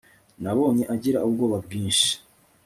Nabonye agira ubwoba bwinshi